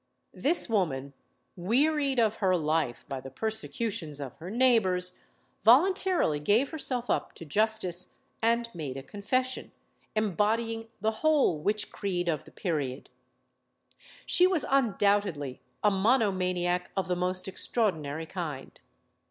This woman, wearied of her life by the persecutions of her neighbours, voluntarily gave herself up to justice, and made a confession, embodying the whole witch creed of the period. She was undoubtedly a monomaniac of the most extraordinary kind.